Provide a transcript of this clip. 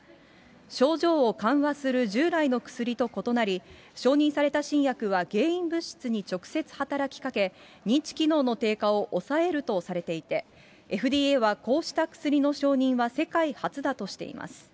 症状を緩和する従来の薬と異なり、承認された新薬は原因物質に直接働きかけ、認知機能の低下を抑えるとされていて、ＦＤＡはこうした薬の承認は世界初だとしています。